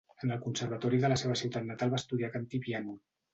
En el Conservatori de la seva ciutat natal va estudiar cant i piano.